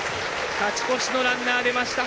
勝ち越しのランナー出ました。